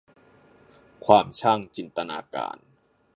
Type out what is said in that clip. ความช่างจินตนาการ